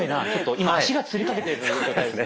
今足がつりかけてる状態ですね。